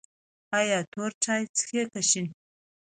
ایا تور چای څښئ که شین؟